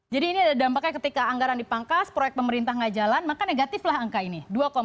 jadi ini ada dampaknya ketika anggaran dipangkas proyek pemerintah gak jalan maka negatif lah angka ini